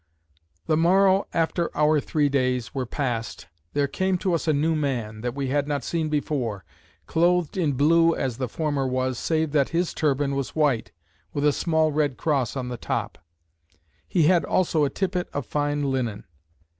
The morrow after our three days were past, there came to us a new man, that we had not seen before, clothed in blue as the former was, save that his turban was white, with a small red cross on the top. He had also a tippet of fine linen.